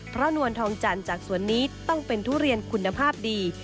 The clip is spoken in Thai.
เพราะนวลทองจันทร์จากสวนนี้ต้องเป็นทุเรียนคุณภาพดี